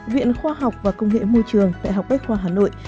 viện khoa học và công nghệ môi trường đại học bách khoa hà nội